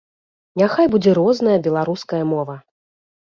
Няхай будзе розная беларуская мова!